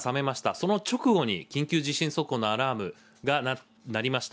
その直後に緊急地震速報のアラームが鳴りました。